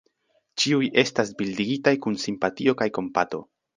Ĉiuj estas bildigitaj kun simpatio kaj kompato.